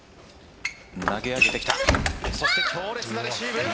投げ上げてきた、そして、強烈なレシーブ！